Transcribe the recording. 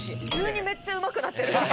急にめっちゃうまくなってる。